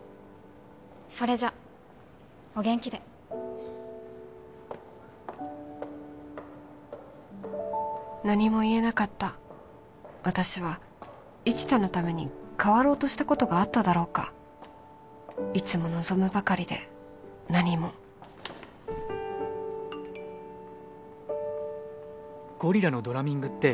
それじゃお元気で何も言えなかった私は一太のために変わろうとしたことがあっただろうかいつも望むばかりで何も「ゴリラのドラミングって」